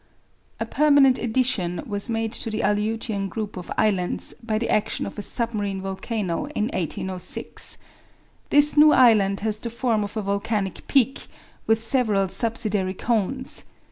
A permanent addition was made to the Aleutian group of Islands by the action of a submarine volcano in 1806. This new island has the form of a volcanic peak, with several subsidiary cones.